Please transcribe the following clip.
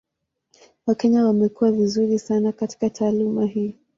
Wakenya wamekuwa vizuri sana katika taaluma hii.